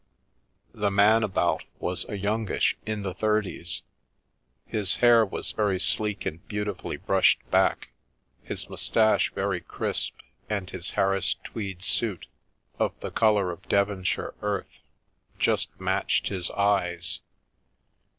The Man about was a youngish in the thirties, his hair was very sleek and beautifully brushed back, his mous tache very crisp, and his Harris tweed suit, of the Colour of Devonshire earth, just matched his eyes.